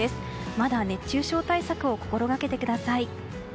まだ熱中症対策を心掛けてください。